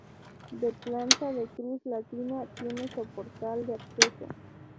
De planta de cruz latina, tiene soportal de acceso.